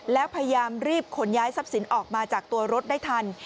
แล้วพยายามรีบขนย้ายทรัพย์สินออกมาจากตัวรถได้ทัน